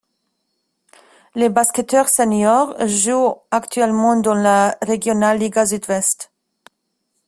Les basketteurs seniors jouent actuellement dans la Regionalliga Südwest.